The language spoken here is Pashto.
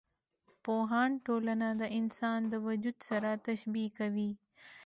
پوهان ټولنه د انسان د وجود سره تشبي کوي.